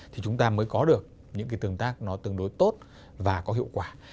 thì chúng ta mới có được những cái tương tác nó tương đối tốt và có hiệu quả